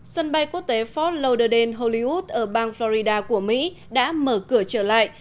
sân bay quốc tế fort lauderdale hollywood ở bang florida của mỹ đã mở cửa trở lại